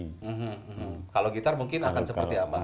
hmm kalau gitar mungkin akan seperti apa